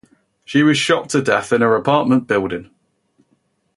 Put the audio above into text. She was shot to death in her apartment building.